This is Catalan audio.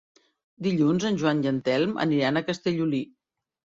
Dilluns en Joan i en Telm aniran a Castellolí.